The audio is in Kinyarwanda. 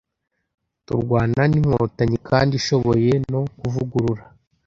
turwana n'inkotanyi kandi ishoboye no kuvugurura